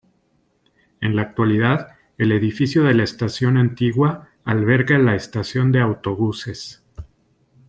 En la actualidad el edificio de la estación antigua alberga la estación de autobuses.